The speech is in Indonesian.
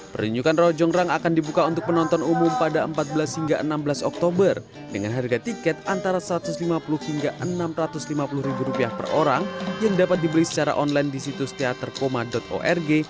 perunyukan rojongrang akan dibuka untuk penonton umum pada empat belas hingga enam belas oktober dengan harga tiket antara satu ratus lima puluh hingga rp enam ratus lima puluh per orang yang dapat dibeli secara online di situs teaterkoma org